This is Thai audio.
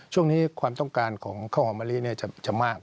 ช่วงนี้ความต้องการของข้าวหอมะลิจะมาก